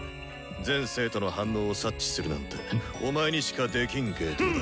全生徒の反応を察知するなんてお前にしかできん芸当だ。